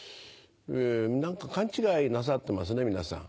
何か勘違いなさってますね皆さん。